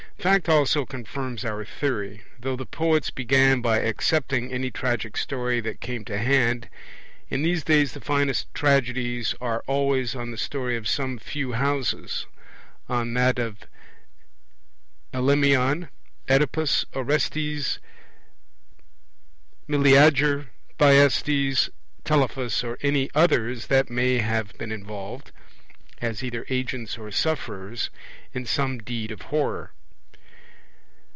Fact also confirms our theory. Though the poets began by accepting any tragic story that came to hand, in these days the finest tragedies are always on the story of some few houses, on that of Alemeon, Oedipus, Orestes, Meleager, Thyestes, Telephus, or any others that may have been involved, as either agents or sufferers, in some deed of horror.